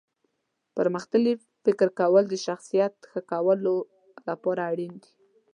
پرمختللي فکر کول د شخصیت ښه کولو لپاره اړین دي.